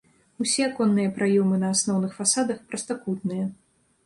Усе аконныя праёмы на асноўных фасадах прастакутныя.